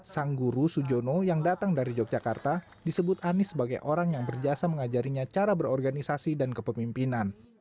sang guru sujono yang datang dari yogyakarta disebut anies sebagai orang yang berjasa mengajarinya cara berorganisasi dan kepemimpinan